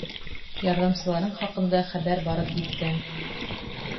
Ярҙамсыларың хаҡында хәбәр барып еткән.